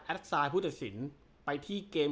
แอดซายผู้ตัดสินไปที่เกม